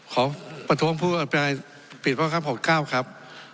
ขอประท้วงผู้อภิกษ์พระครับของก้าวครับ